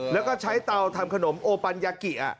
แล้วก็ใช้เตาทำขนมโอปัญญากิ